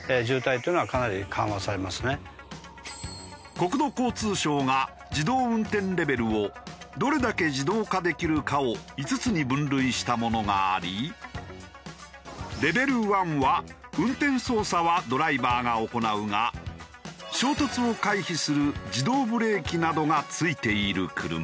国土交通省が自動運転レベルをどれだけ自動化できるかを５つに分類したものがありレベル１は運転操作はドライバーが行うが衝突を回避する自動ブレーキなどが付いている車。